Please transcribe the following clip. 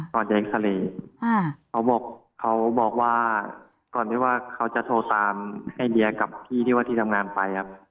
ตอนที่เอ็กซาเลเขาบอกว่าก่อนที่ว่าเขาจะโทรตามไอเดียกับพี่ที่ว่าที่ทำงานไปอ่ะ